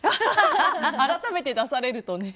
改めて出されるとね。